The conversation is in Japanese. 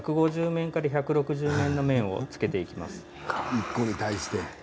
１５０面から１６０面つけていきます。